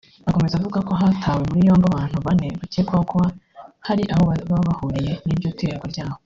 Akomeza avuga ko hatawe muri yombi abantu bane bakekwaho kuba hari aho baba bahuriye n’iryo terwa ryayo